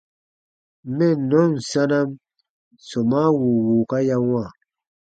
Mɛnnɔn sanam sɔmaa wùu wùuka ya wãa.